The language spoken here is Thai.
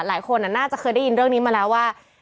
หลายคนน่าจะเคยได้ยินเรื่องนี้มาแล้วว่า